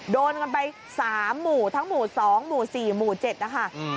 โดนกันไป๓หมู่ทั้งหมู่๒หมู่๔หมู่๗นะคะ